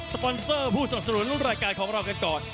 ปอนเซอร์ผู้สนับสนุนรายการของเรากันก่อน